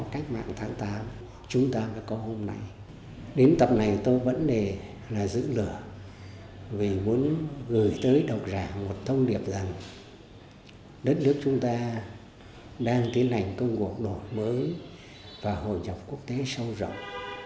cùng thông điệp rằng đất nước chúng ta đang tiến hành công cuộc đổi mới và hội nhập quốc tế sâu rộng